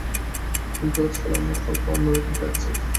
কিন্তু আজকাল আমরা ফল খাওয়ার নামে কী খাচ্ছি?